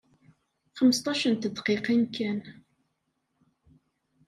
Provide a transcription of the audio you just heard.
Xmesṭac n tedqiqin kan.